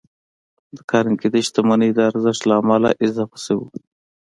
د کارنګي د شتمنۍ د ارزښت له امله اضافه شوي وو.